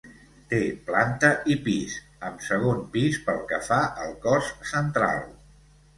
Té planta i pis amb segon pis pel que fa al cos central.